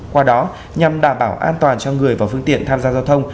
qua đó nhằm đảm bảo an toàn cho người và phương tiện tham gia giao thông